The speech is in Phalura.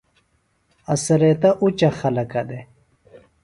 اڅھریتہ اُچہ خلَکہ دےۡ